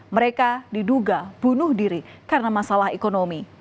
mereka diduga bunuh diri karena masalah ekonomi